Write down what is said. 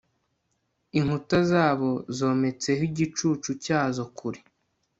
inkuta zazo zometseho igicucu cyazo kure